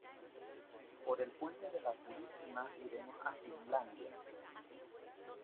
Por el puente de la Purísima iremos a Finlandia.